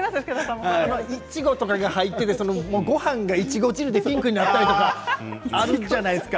いちごとかが入っていてごはんが、いちご汁でピンクになったりとかあるじゃないですか。